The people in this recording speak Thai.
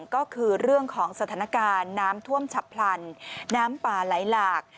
ก็คือเรื่องของสถานการณ์น้ำท่วมฉับพลันน้ำป่าไหลหลาก